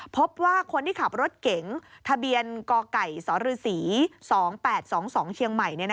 พบว่าคนที่ขับรถเก๋งทะเบียนกไก่สรศรี๒๘๒๒เชียงใหม่